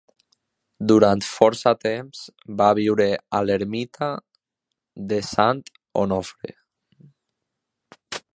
Durant força temps va viure a l'ermita de Sant Onofre.